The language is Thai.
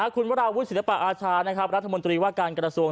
คุณวราวุฒิศิลปะอาชานะครับรัฐมนตรีว่าการกระทรวง